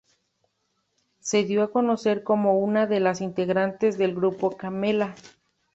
Se dio a conocer como una de las integrantes del grupo Camela.